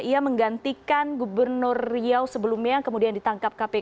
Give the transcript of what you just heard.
ia menggantikan gubernur riau sebelumnya yang kemudian ditangkap kpk